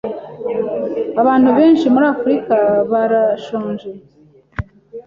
Abantu benshi muri Afrika barashonje.